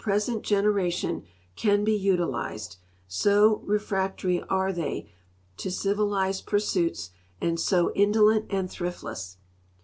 sent generation can be utilized, so re fractory are they to civilized pursuits and so indolent and thriftless.